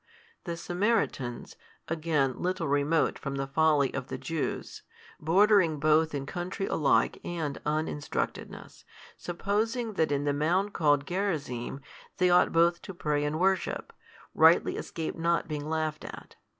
The Samaritans again little remote from the folly of the Jews, bordering both in country alike and uninstructedness, supposing that in the mount called Gerizim they ought both to pray and worship, rightly escape not being laughed at.